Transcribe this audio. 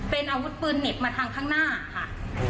เป็นอาวุธปืนเหน็บมาทางข้างหน้าค่ะ